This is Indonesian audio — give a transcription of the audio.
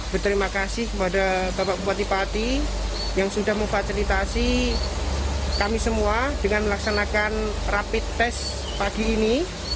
berterima kasih kepada bapak bupati pati yang sudah memfasilitasi kami semua dengan melaksanakan rapid test pagi ini